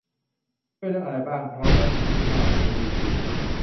ช่วยเรื่องอะไรบ้าง พร้อมแนะยี่ห้อไหนดี ปี